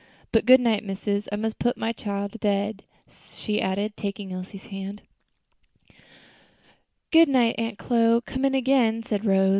"But good night, missus; I must put my chile to bed," she added, taking Elsie's hand. "Good night, Aunt Chloe; come in again," said Rose.